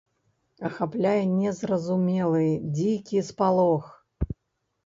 Ахапляе незразумелы, дзікі спалох.